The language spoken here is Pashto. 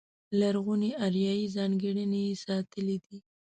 لرغونې اریایي ځانګړنې یې ساتلې دي.